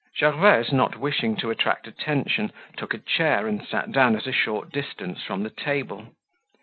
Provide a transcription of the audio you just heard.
Gervaise, not wishing to attract attention, took a chair and sat down at a short distance from the table.